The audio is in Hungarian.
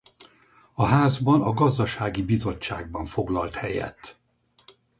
A házban a gazdasági bizottságban foglalt helyet.